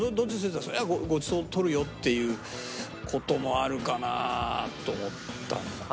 ごちそう取るよっていう事もあるかなと思ったんだけど。